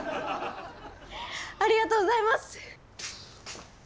ありがとうございます！